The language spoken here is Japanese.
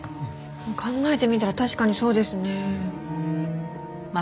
考えてみたら確かにそうですね。